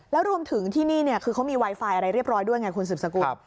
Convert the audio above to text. แล้วรวมถึงที่นี่คือเขามีไวไฟอะไรเรียบร้อยด้วยไงคุณสืบสกุล